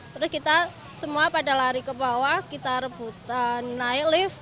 terus kita semua pada lari ke bawah kita rebutan naik lift